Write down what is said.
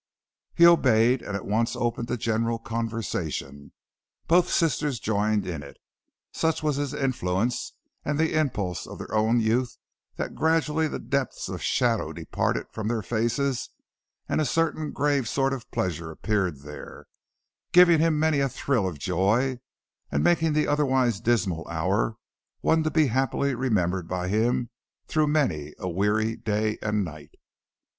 He obeyed, and at once opened a general conversation. Both sisters joined in it, and such was his influence and the impulse of their own youth that gradually the depth of shadow departed from their faces and a certain grave sort of pleasure appeared there, giving him many a thrill of joy, and making the otherwise dismal hour one to be happily remembered by him through many a weary day and night.